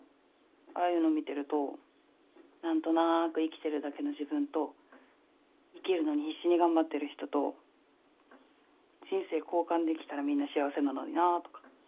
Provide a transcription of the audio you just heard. ああいうの見てるとなんとなく生きてるだけの自分と生きるのに必死に頑張ってる人と人生交換できたらみんな幸せなのになとか。